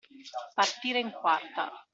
Partire in quarta.